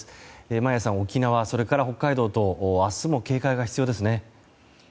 眞家さん、沖縄、北海道と明日も警戒が必要ですね。